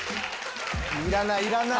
いらないいらない！